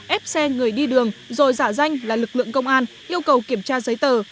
ép xe người đi đường rồi giả danh là lực lượng công an yêu cầu kiểm tra giấy tờ